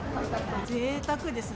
ぜいたくですね。